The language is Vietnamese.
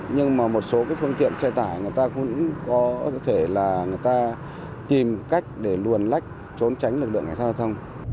nhưng mà một số phương tiện xe tải người ta cũng có thể là người ta tìm cách để luồn lách trốn tránh lực lượng cảnh sát giao thông